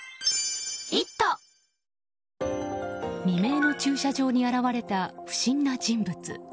未明の駐車場に現れた不審な人物。